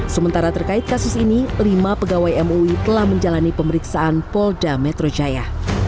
sementara terkait kasus ini lima pegawai mui telah menjalani pemeriksaan polda metro jaya